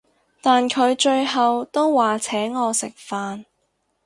但佢最後都話請我食飯